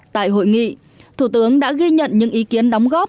tại hội nghị thủ tướng đã ghi nhận những ý kiến đóng góp